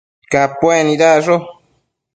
Capuec nidacsho